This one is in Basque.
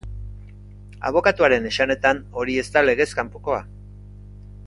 Abokatuaren esanetan, hori ez da legez kanpokoa.